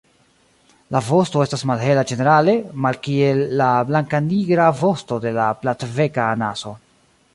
La vosto estas malhela ĝenerale, malkiel la blankanigra vosto de la Platbeka anaso.